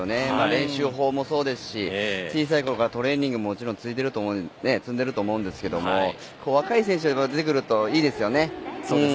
練習法もそうですし小さいころからトレーニングも積んでると思うんですけども若い選手が出てくるといいですよね。